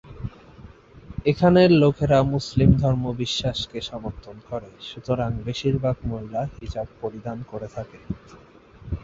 এখানের লোকেরা মুসলিম ধর্ম বিশ্বাসকে সমর্থন করে সুতরাং বেশিরভাগ মহিলা হিজাব পরিধান করে থাকে।